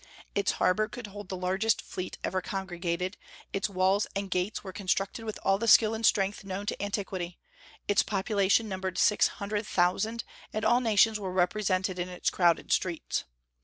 Its harbor could hold the largest fleet ever congregated; its walls and gates were constructed with all the skill and strength known to antiquity; its population numbered six hundred thousand, and all nations were represented in its crowded streets.